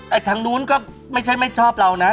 แล้วทางโดนก็ไม่ใช่ไม่ชอบเรานะ